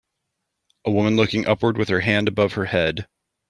A woman looking upward with her hand above her head.